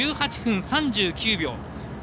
１８分３９秒。